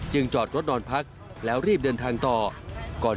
จอดรถนอนพักแล้วรีบเดินทางต่อก่อน